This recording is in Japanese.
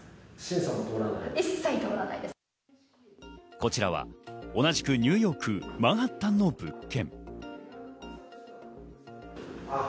こちらは同じく、ニューヨーク・マンハッタンの物件。